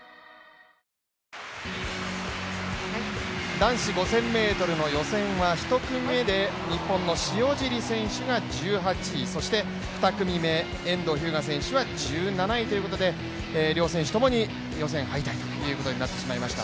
男子５０００ｍの予選は１組目で日本の塩尻選手が１８位、そして２組目、遠藤日向選手は１７位ということで両選手ともに予選敗退ということになってしまいました。